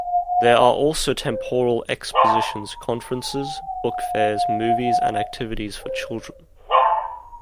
There are also temporal expositions, conferences, book fairs, movies, and activities for children.